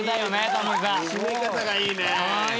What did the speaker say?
締め方がいいね。